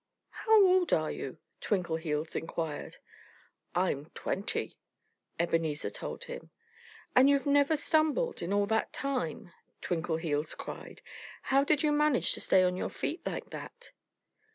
"How old are you?" Twinkleheels inquired. "I'm twenty," Ebenezer told him. "And you've never stumbled in all that time!" Twinkleheels cried. "How did you manage to stay on your feet like that?"